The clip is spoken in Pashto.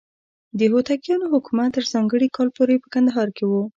د هوتکیانو حکومت تر ځانګړي کال پورې په کندهار کې و.